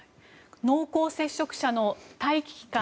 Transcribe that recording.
濃厚接触者の待機期間